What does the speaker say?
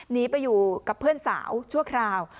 หนีไปอยู่กับเพื่อนสาวชั่วคราว